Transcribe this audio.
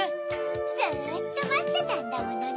ずっとまってたんだものね。